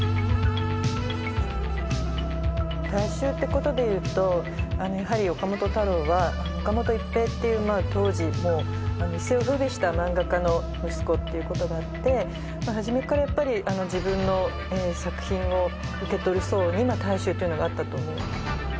大衆ってことでいうとやはり岡本太郎は岡本一平っていう当時一世を風靡した漫画家の息子っていうことがあって初めからやっぱり自分の作品を受け取る層に大衆っていうのがあったと思う。